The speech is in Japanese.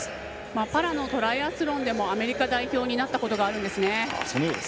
パラのトライアスロンでもアメリカ代表になったことがあるんですね。